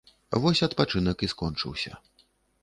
Вось адпачынак і скончыўся.